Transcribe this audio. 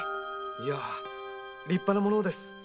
いや立派なものです。